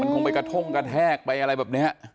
คงไปกระท่งกระแทกไปอะไรแบบนี้